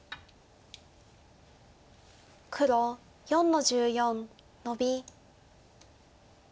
黒４の十四ノビ。